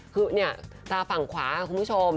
คือเนี่ยตาฝั่งขวาคุณผู้ชม